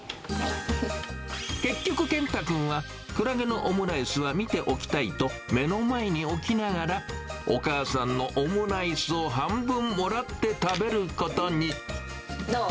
結局、健汰くんは、クラゲのオムライスは見ておきたいと、目の前に置きながら、お母さんのオムライスを半分もらって食べるどう？